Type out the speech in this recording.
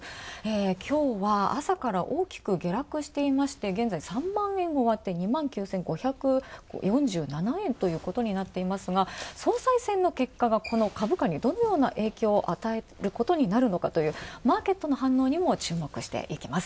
きょうは朝から大きく下落していまして現在３万円を割って、２万９５４７円ということになっていますが総裁選の結果が、この株価にどのような影響を与えることになるかというマーケットの反応にも注目していきます